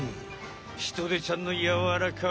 ヒトデちゃんのやわらかい動き